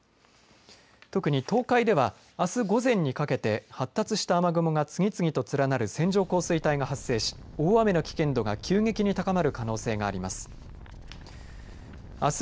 特に、東海ではあす午前にかけて発達した雨雲が次々とつらなる線状降水帯が発生し大雨の危険度が急激に高まる可能性があります。